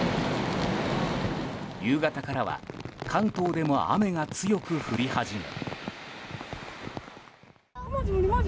夕方からは関東でも雨が強く降り始め。